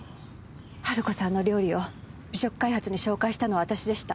春子さんの料理を美食開発に紹介したのは私でした。